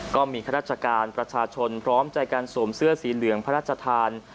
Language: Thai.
ก็มีข้าราชการประชาชนพร้อมใจการสวมเสื้อสีเหลืองพระราชทาน